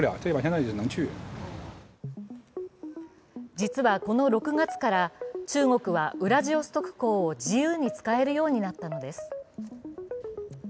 実はこの６月から、中国はウラジオストク港を自由に使えるようになったのです。